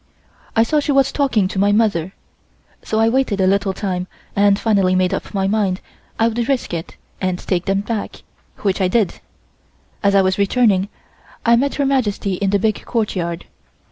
I saw she was talking to my mother, so I waited a little time and finally made up my mind I would risk it and take them back, which I did. As I was returning I met Her Majesty in the big courtyard.